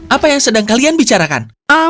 apa yang sedang kalian bicarakan